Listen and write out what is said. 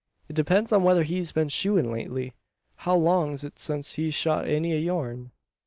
It depends on whether he's been shoein' lately. How long's it since he shod any o' yourn?"